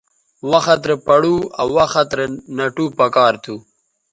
وخت رے پڑو آ وخت رے نَٹو پکار تھو